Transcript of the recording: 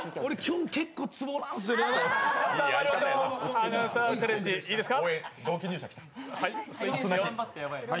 アナウンサーチャレンジ、いいですか。